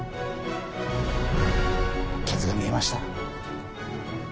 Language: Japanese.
ケツが見えました。